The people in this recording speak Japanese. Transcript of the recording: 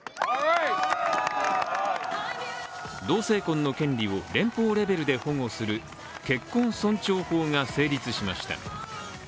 同性婚の権利を連邦レベルで保護する結婚尊重法が成立しました。